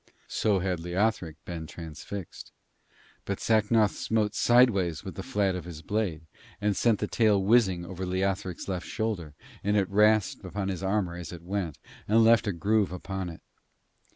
So had Leothric been transfixed; but Sacnoth smote sideways with the flat of his blade, and sent the tail whizzing over Leothric's left shoulder; and it rasped upon his armour as it went, and left a groove upon it.